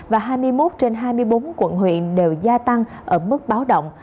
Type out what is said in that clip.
và hai mươi một trên hai mươi bốn quận huyện đều gia tăng ở mức báo động